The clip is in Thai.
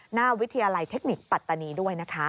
วิทยาลัยเทคนิคปัตตานีด้วยนะคะ